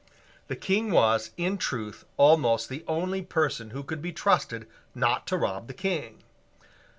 The King was, in truth, almost the only person who could be trusted not to rob the King.